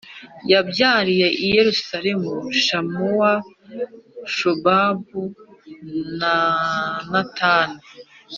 yabyariye i Yerusalemu Shamuwa, Shobabu na Natani